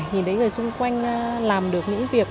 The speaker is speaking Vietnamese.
nhìn thấy người xung quanh làm được những việc